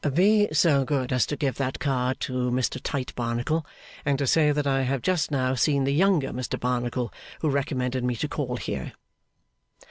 'Be so good as to give that card to Mr Tite Barnacle, and to say that I have just now seen the younger Mr Barnacle, who recommended me to call here.